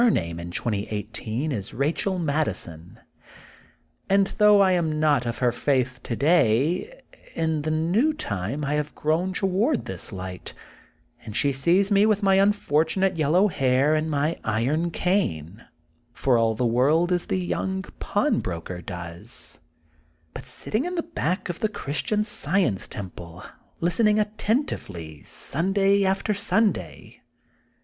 Her name in 2018 is Rachel Madison, and, though I am not of her faith today, in the new time I have grown toward this light, and she sees me with my unfortunate yellow hair and my iron cane, for all the world as the young pawnbroker does, but sitting in the back of the Christian Science temple listening attentively, Sunday after Sunday.